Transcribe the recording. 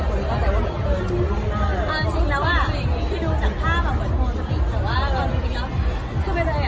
คือตือบวงอะไรเขาคิดว่าอ้าวคือมีของหลักเหรอ